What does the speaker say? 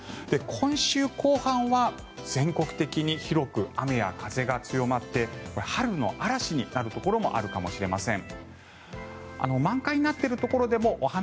今週後半は全国的に広く雨や風が強まって春の嵐になるところもあるかもしれません。